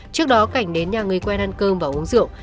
trước đó cảnh đến nhà người quen ăn cơm và uống rượu